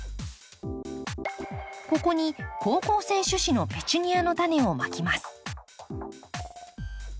ここに好光性種子のペチュニアのタネをまきます